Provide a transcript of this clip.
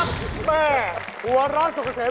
แม่หัวร้อนสุขเช็ด